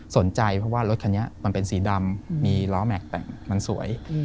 สนใจเพราะว่ารถคันนี้มันเป็นสีดำมีล้อแม็กซ์มันสวย